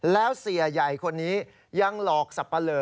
แล้วเสียใหญ่คนนี้ยังหลอกสับปะเลอ